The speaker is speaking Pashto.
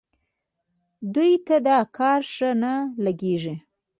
دوی ته دا کار ښه نه لګېږي.